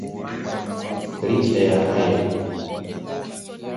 Licha ya hayo